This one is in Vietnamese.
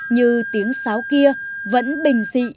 như tiếng sáo kia vẫn bình dị